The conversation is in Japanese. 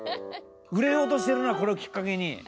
売れようとしてるなこれをきっかけに。